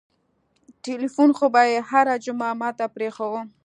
ټېلفون خو به يې هره جمعه ما ته پرېښووه.